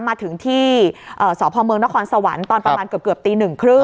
มาถึงที่เอ่อสพเมนครสวรรค์ตอนประมาณเกือบเกือบตีหนึ่งครึ่ง